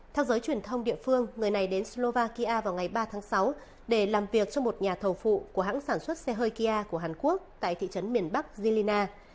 theo giới truyền thông địa phương người này đến slovakia vào ngày ba tháng sáu để làm việc cho một nhà thầu phụ của hãng sản xuất xe hơi kia của hàn quốc tại thị trấn miền bắc gyna